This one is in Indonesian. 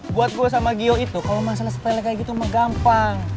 buat gue sama gio itu kalau masalah sepele kayak gitu mah gampang